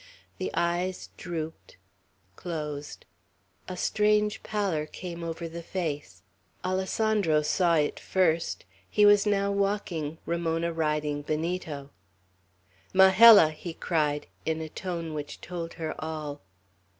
The eyes drooped, closed; a strange pallor came over the face. Alessandro saw it first. He was now walking, Ramona riding Benito. "Majella!" he cried, in a tone which told her all.